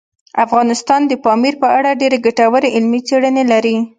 افغانستان د پامیر په اړه ډېرې ګټورې علمي څېړنې لري.